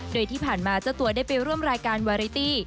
โดยที่ผ่านมาเจ้าตัวได้ไปร่วมรายการวาริตี้